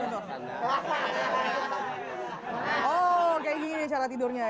oh seperti ini cara tidurnya ya